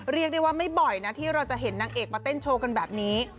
เรียกได้ว่าไม่บ่อยนะที่เราจะเห็นนางเอกมาเต้นโชว์กันแบบนี้